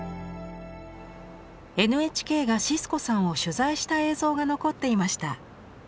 ＮＨＫがシスコさんを取材した映像が残っていました。